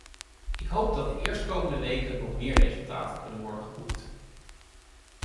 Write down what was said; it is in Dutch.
Ik hoop dat de eerstkomende weken nog meer resultaten kunnen worden geboekt.